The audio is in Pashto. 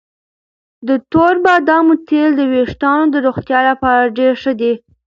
د تور بادامو تېل د ویښتانو د روغتیا لپاره ډېر ښه دي.